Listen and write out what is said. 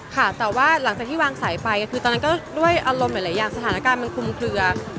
ค่ะแต่ว่าหลังจากที่วางสายไปคือตอนนั้นก็ด้วยอารมณ์หลายอย่างสถานการณ์มันคุมเคลือ